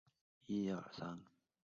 布吕尼沃当库尔。